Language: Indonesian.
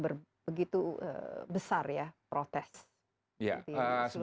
apa yang menarik dari protes tersebut